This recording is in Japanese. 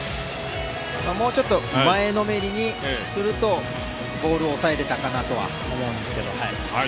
もうちょっと前のめりにするとボールを押さえれたかと思います。